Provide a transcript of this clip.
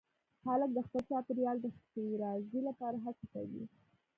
هلک د خپل چاپېریال د ښېرازۍ لپاره هڅه کوي.